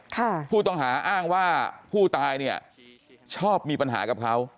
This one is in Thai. ผู้ต้องหาอ้างว่าผู้ตายเนี่ยชอบมีปัญหากับเขา